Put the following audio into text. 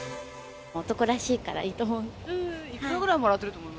男らしいからいいと思う。